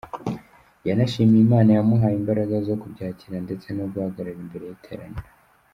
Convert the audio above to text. Yanashimiye Imana yamuhaye imbaraga zo kubyakira ndetse no guhagarara imbere y'iteraniro.